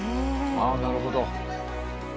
あなるほど。